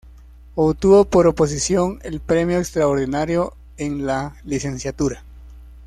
Obtuvo por oposición el premio extraordinario en la licenciatura.